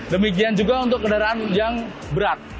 demikian juga untuk kendaraan yang berat